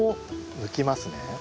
抜きますね。